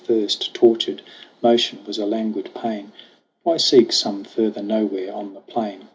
Thirst tortured. Motion was a languid pain. Why seek some further nowhere on the plain